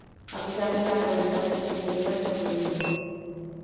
A pesar de la gravedad de sus heridas, sobrevivió.